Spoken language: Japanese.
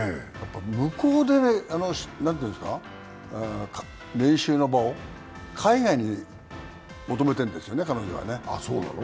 向こうで、練習の場を海外に求めてるんですね彼女は。